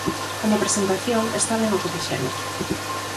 Como presentación, está ben o que fixemos.